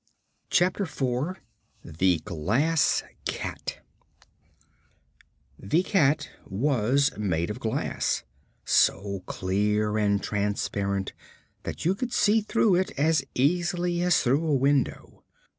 Chapter Four The Glass Cat The cat was made of glass, so clear and transparent that you could see through it as easily as through a window.